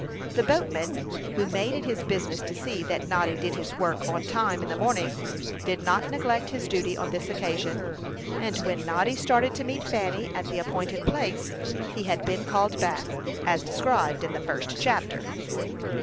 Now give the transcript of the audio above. The boatman, who made it his business to see that Noddy did his work on time in the morning, did not neglect his duty on this occasion; and when Noddy started to meet Fanny at the appointed place, he had been called back, as described in the first chapter.